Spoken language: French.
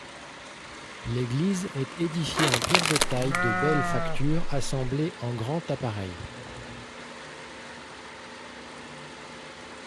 L'église est édifiée en pierre de taille de belle facture assemblée en grand appareil.